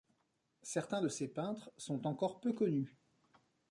Certains de ces peintres sont encore peu connus.